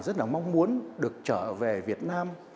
rất là mong muốn được trở về việt nam